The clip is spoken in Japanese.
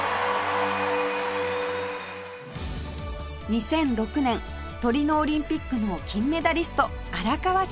２００６年トリノオリンピックの金メダリスト荒川静香さん